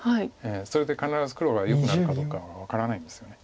それで必ず黒がよくなるかどうかは分からないんですよね。